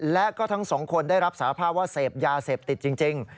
และก็ทั้งสองคนได้รับสาภาพว่าเสพยาเสพติดจริง